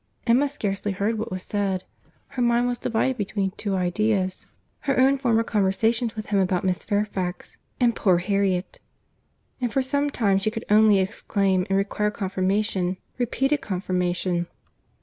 Emma scarcely heard what was said.—Her mind was divided between two ideas—her own former conversations with him about Miss Fairfax; and poor Harriet;—and for some time she could only exclaim, and require confirmation, repeated confirmation.